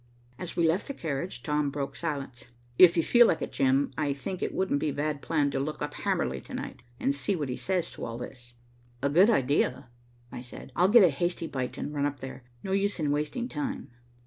As we left the carriage, Tom broke silence. "If you feel like it, Jim, I think it wouldn't be a bad plan to look up Hamerly to night, and see what he says to all this." "A good idea," I said. "I'll get a hasty bite and run up there. No use in wasting time."